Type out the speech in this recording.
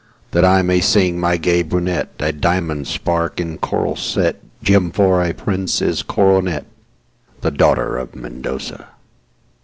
That I may sing my gay brunette,A diamond spark in coral set, Gem for a prince's coronet—The daughter of Mendoza.